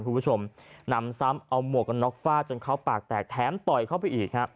คุณผู้ชมนำซ้ำเอาหมวกน็อคฟาจนเขาปากแตกแถมต่อยเขาไอ้อีก